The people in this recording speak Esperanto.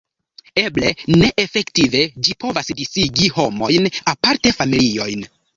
Eble ne: efektive ĝi povas disigi homojn, aparte familiojn.